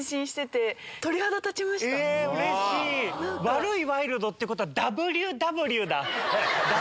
悪いワイルドってことは。